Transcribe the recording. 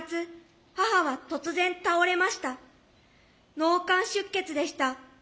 脳幹出血でした。